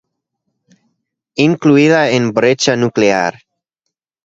Incluida en "Brecha nuclear".